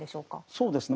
そうですね